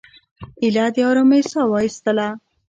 ایله د آرامۍ ساه وایستله.